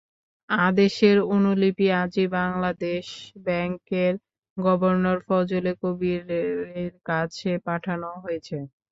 আদেশের অনুলিপি আজই বাংলাদেশ ব্যাংকের গভর্নর ফজলে কবিরের কাছে পাঠানো হয়েছে।